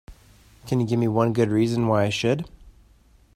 Can you give me one good reason why I should?